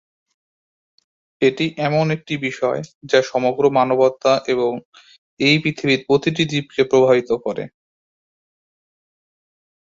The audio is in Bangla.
এটি এমন একটি বিষয় যা সমগ্র মানবতা এবং এই পৃথিবীর প্রতিটি জীবকে প্রভাবিত করে।